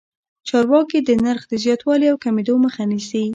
چارواکي د نرخ د زیاتوالي او کمېدو مخه نیسي.